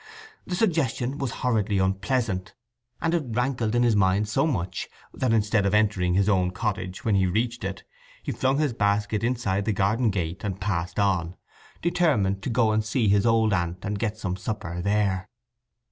The suggestion was horridly unpleasant, and it rankled in his mind so much that instead of entering his own cottage when he reached it he flung his basket inside the garden gate and passed on, determined to go and see his old aunt and get some supper there.